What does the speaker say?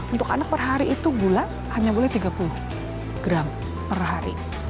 untuk anak per hari itu gula hanya boleh tiga puluh gram per hari